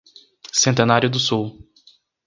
Centenário do Sul